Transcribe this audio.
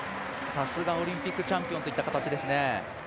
さすがオリンピックチャンピオンという形ですね。